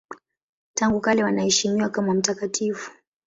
Tangu kale wanaheshimiwa kama mtakatifu.